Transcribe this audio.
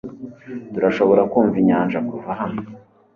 turashobora kumva inyanja kuva hano